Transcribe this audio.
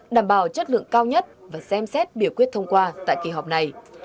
đảm bảo chất lượng cao nhất và xem xét biểu quyết thông qua tại kỳ họp này